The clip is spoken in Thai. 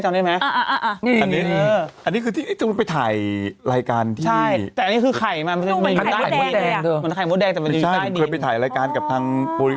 ใช่ไหมอันนี้ที่นายจงได้ถ่ายรายการใช้ไม่ได้ว่าแม่อะไรกันกับบาอีค